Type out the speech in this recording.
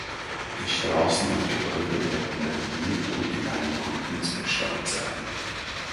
Die Straßen und Gebäude werden renoviert und in einem guten Zustand sein.